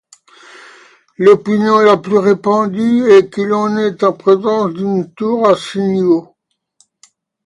L’opinion la plus répandue est que l’on est en présence d’une tour à signaux.